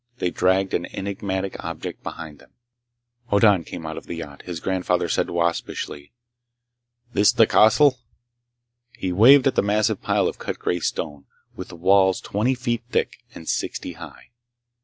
They dragged an enigmatic object behind them. Hoddan came out of the yacht. His grandfather said waspishly: "This the castle?" He waved at the massive pile of cut gray stone, with walls twenty feet thick and sixty high.